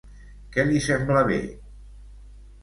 Què li sembla bé?